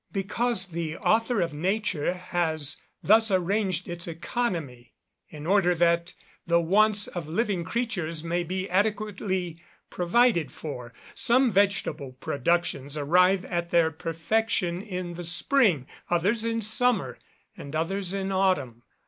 _ Because the Author of Nature has thus arranged its economy, in order that the wants of living creatures may be adequately provided for. Some vegetable productions arrive at their perfection in the spring; others in summer; and others in autumn.